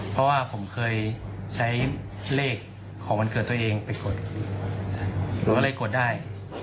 เพราะว่าผมเคยใช้เลขของวันเกิดตัวเองไปกดผมก็เลยกดได้